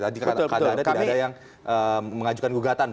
tadi kata kata tidak ada yang mengajukan gugatan